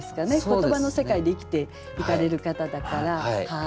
言葉の世界で生きていかれる方だから。